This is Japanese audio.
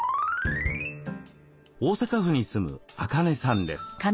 大阪府に住むアカネさんです。